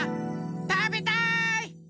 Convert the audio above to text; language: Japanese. たべたい！